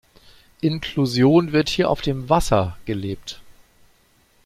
Inklusion wird hier auf dem Wasser gelebt.